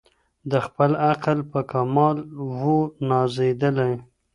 د خپل عقل په کمال وو نازېدلی